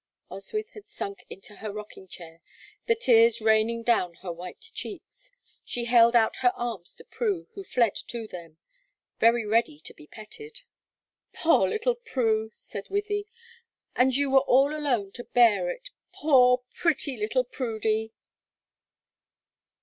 Oswyth had sunk into her rocking chair, the tears raining down her white cheeks. She held out her arms to Prue, who fled to them, very ready to be petted. "Poor little Prue!" said Wythie. "And you were all alone to bear it. Poor, pretty little Prudy!"